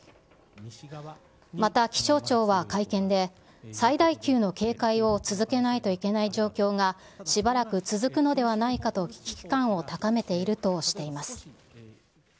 また気象庁は会見で最大級の警戒を続けないといけない状況が、しばらく続くのではないかと危機感を高めているとしています。